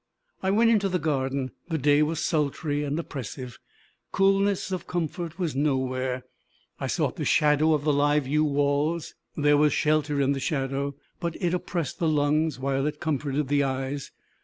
I went into the garden. The day was sultry and oppressive. Coolness or comfort was nowhere. I sought the shadow of the live yew walls; there was shelter in the shadow, but it oppressed the lungs while it comforted the eyes.